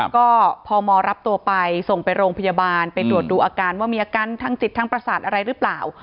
ก็พมรับตัวไปส่งไปโรงพยาบาลไปตรวจดูอาการว่ามีอาการทางจิตทางประสาทอะไรหรือเปล่า